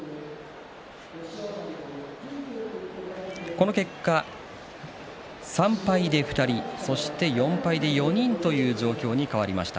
この結果３敗で２人、４敗で４人という状況に変わりました。